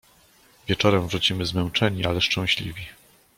"Wieczorem wrócimy zmęczeni ale szczęśliwi."